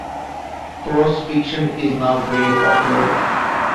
Prose fiction is now very popular.